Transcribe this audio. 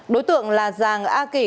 đối tượng là giàng a kỳ